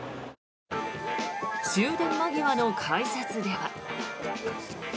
終電間際の改札では。